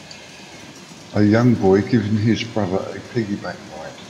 A young boy giving his brother a piggyback ride